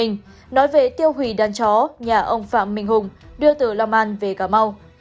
nói về tiêu hủy đàn chó nhà ông phạm minh hùng đưa từ lào man về cà mau